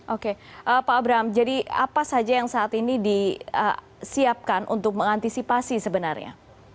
oke pak abraham jadi apa saja yang saat ini disiapkan untuk mengantisipasi sebenarnya